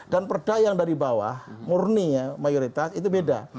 dan perda yang dari bawah murni ya mayoritas itu beda